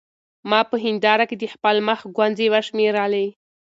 ما په هېنداره کې د خپل مخ ګونځې وشمېرلې.